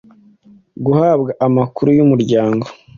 Guhabwa amakuru y’Umuryango ;